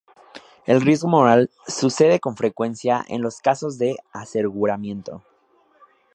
El riesgo moral sucede con frecuencia en los casos de aseguramiento.